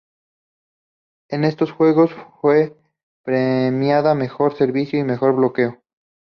En estos juegos fue premiada Mejor Servicio y Mejor Bloqueo.